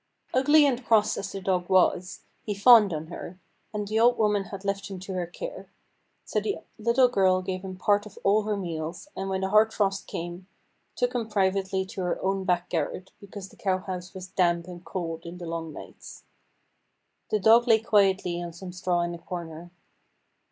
Ugly and cross as the dog was, he fawned on her, and the old woman had left him to her care. So the little girl gave him part of all her meals, and when the hard frost came, took him privately to her own back garret, because the cow house was damp and cold in the long nights. The dog lay quietly on some straw in a corner.